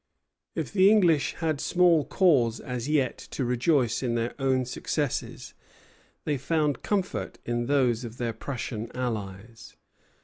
If the English had small cause as yet to rejoice in their own successes, they found comfort in those of their Prussian allies.